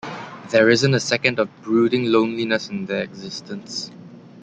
There isn't a second of brooding loneliness in their existence.